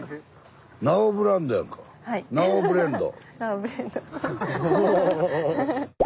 ナオブレンド。